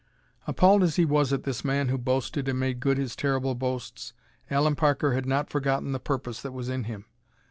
Appalled as he was at this man who boasted and made good his terrible boasts Allen Parker had not forgotten the purpose that was in him.